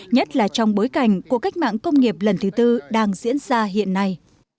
nhất là trong bối cảnh của cách mạng công nghiệp lần thứ tư đang diễn ra hiện nay